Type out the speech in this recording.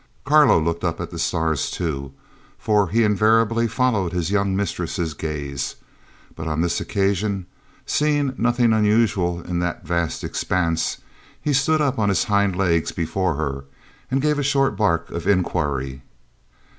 Carlo looked up at the stars too, for he invariably followed his young mistress's gaze, but on this occasion, seeing nothing unusual in that vast expanse, he stood up on his hind legs before her and gave a short bark of inquiry.